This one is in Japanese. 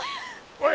おい！